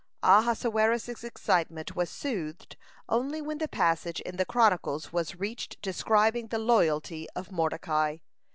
(167) Ahasuerus's excitement was soothed only when the passage in the chronicles was reached describing the loyalty of Mordecai.